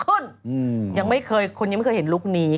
คนยังไม่เคยเห็นลุคนี้